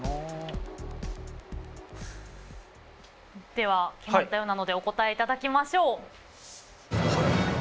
では決まったようなのでお答えいただきましょう。